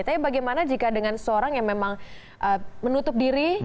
tapi bagaimana jika dengan seseorang yang memang menutup diri